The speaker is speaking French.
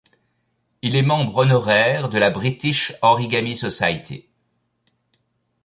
Il est membre honoraire de la British Origami Society.